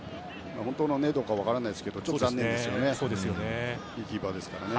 本当かどうか分からないですがちょっと残念ですね。